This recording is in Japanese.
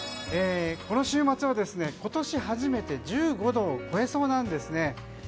この週末は今年初めて１５度を超えそうなんですね。